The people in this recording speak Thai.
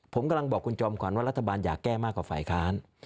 ผมกำลังบอกคุณจอมขวัญว่ารัฐบาลอยากแก้มากกว่าฝ่ายค้าน